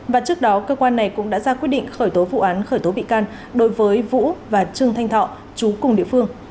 và trước đó cơ quan này cũng đã ra quyết định khởi tố vụ án khởi tố bị can đối với vũ và trương thanh thọ chú cùng địa phương